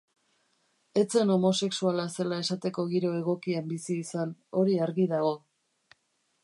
Ez zen homosexuala zela esateko giro egokian bizi izan, hori argi dago.